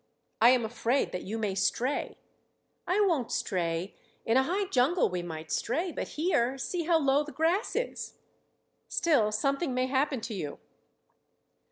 "I am afraid that you may stray." "I won't stray. In a high jungle we might stray, but here, see how low the grass is!" "Still, something may happen to you."